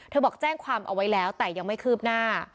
บอกแจ้งความเอาไว้แล้วแต่ยังไม่คืบหน้า